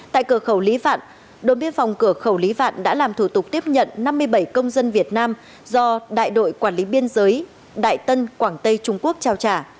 tại cửa khẩu lý vạn đội biên phòng cửa khẩu lý vạn đã làm thủ tục tiếp nhận năm mươi bảy công dân việt nam do đại đội quản lý biên giới đại tân quảng tây trung quốc trao trả